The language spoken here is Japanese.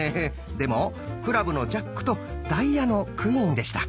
でもクラブのジャックとダイヤのクイーンでした。